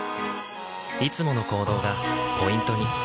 いつもの行動がポイントに。